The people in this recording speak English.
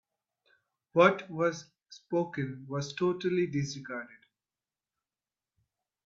What was spoken was totally disregarded.